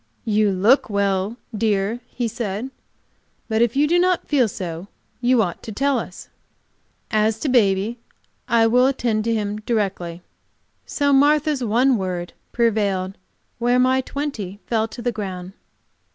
"You look well, dear," he said. "But if you do not feel so you ought to tell us. As to baby, I will attend to him directly." So Martha's one word prevailed where my twenty fell to the ground.